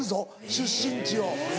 出身地を。